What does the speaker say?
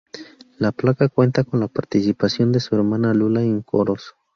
La placa cuenta con la participación de su hermana Lula en coros.